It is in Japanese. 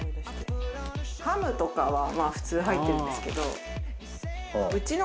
ハムとかはまあ普通入ってるんですけど。